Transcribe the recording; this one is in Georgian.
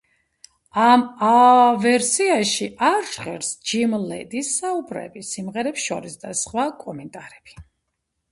ამ ვერსიაში არ ჟღერს ჯიმ ლედის საუბრები სიმღერებს შორის და სხვა კომენტარები.